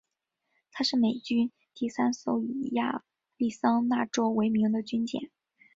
她是美军第三艘以亚利桑那州为名的军舰。